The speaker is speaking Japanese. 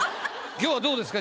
今日はどうですか？